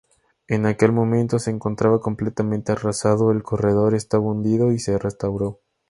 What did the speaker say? En aquel momento se encontraba completamente arrasado, el corredor estaba hundido, y se restauró.